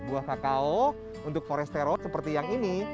buah kakao untuk forestero seperti yang ini